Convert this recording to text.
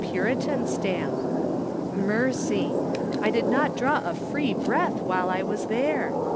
Puritan stamp. Mercy ! I did not draw a free breath wliile I was there